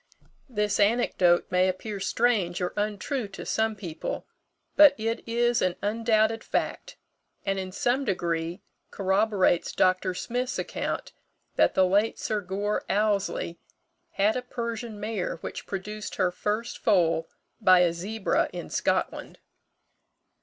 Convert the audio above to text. This anecdote may appear strange or untrue to some people; but it is an undoubted fact, and in some degree corroborates Dr. Smith's account that the late Sir Gore Ouseley had a Persian mare which produced her first foal by a zebra in Scotland.